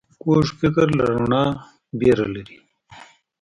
کوږ فکر له رڼا ویره لري